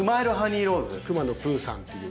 くまのプーさんっていう。